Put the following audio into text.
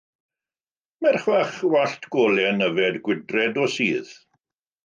Merch fach wallt golau'n yfed gwydraid o sudd.